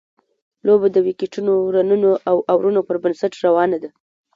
لوبه د ویکټونو، رنونو او اورونو پر بنسټ روانه ده.